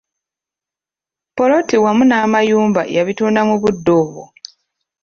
Puloti wamu n'amayumba yabituunda mu budde obwo.